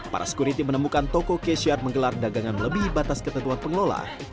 para sekuriti menemukan toko cash yard menggelar dagangan melebihi batas ketentuan pengelola